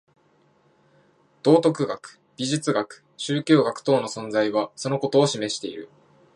道徳学、芸術学、宗教学等の存在はそのことを示している。